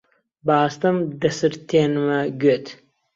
بەئاستەم دەسرتێنمە گوێت: